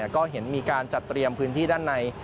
ก็เห็นมีการจัดเตรียมพื้นที่ด้านใน